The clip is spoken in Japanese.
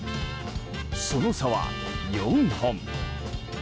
その差は４本。